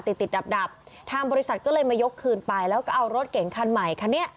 ติดติดดับดับทางบริษัทก็เลยมายกคืนไปแล้วก็เอารถเก่งคันใหม่คันนี้